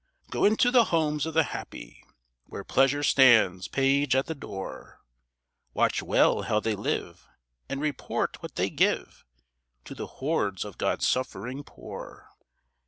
'Go into the homes of the happy Where pleasure stands page at the door. Watch well how they live, and report what they give To the hordes of God's suffering poor.